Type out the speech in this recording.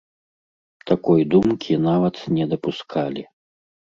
Такой думкі нават не дапускалі.